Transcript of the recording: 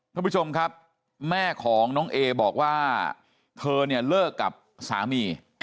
ท่านผู้ชมครับแม่ของน้องเอบอกว่าเธอเนี่ยเลิกกับสามี